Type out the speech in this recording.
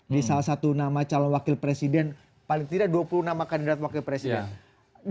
di salah satu nama calon wakil presiden paling tidak dua puluh enam kandidat wakil presiden